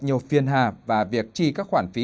nhiều phiên hà và việc chi các khoản phí